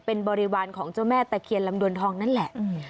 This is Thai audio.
เป็นบริวารของเจ้าแม่ตะเคียนลำดวนทองนั่นแหละ